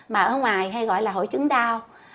mà ở ngoài hay gọi là hội chứng đao